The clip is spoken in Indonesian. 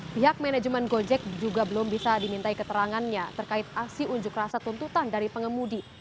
pihak manajemen gojek juga belum bisa dimintai keterangannya terkait aksi unjuk rasa tuntutan dari pengemudi